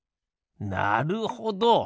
なるほど！